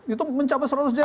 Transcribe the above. itu mencapai seratus jendral